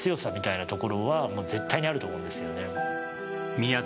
宮崎